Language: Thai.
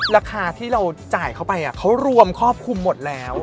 ราคาที่เราจ่ายเข้าไปเขารวมครอบคลุมหมดแล้ว